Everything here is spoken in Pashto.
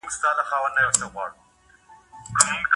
کورنۍ د ټولني اصلي واحد دی.